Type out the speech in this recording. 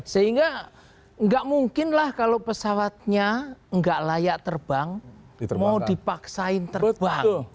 sehingga nggak mungkin lah kalau pesawatnya nggak layak terbang mau dipaksain terbang